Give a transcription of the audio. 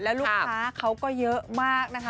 แล้วลูกค้าเขาก็เยอะมากนะคะ